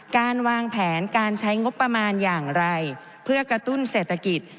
การวางแผนการใช้งบประมาณอย่างไรเพื่อกระตุ้นเศรษฐกิจ